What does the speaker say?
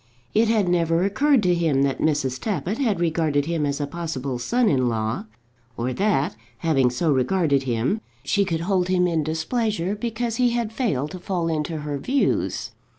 It had never occurred to him that Mrs. Tappitt had regarded him as a possible son in law, or that, having so regarded him, she could hold him in displeasure because he had failed to fall into her views.